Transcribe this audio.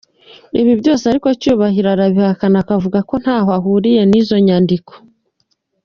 Ibi byose ariko Cyubahiro arabihakana akavuga ko ntaho ahuriye n’izo nyandiko